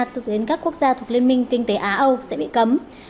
từ đến các quốc gia thuộc liên minh kinh tế á âu sẽ bị cấm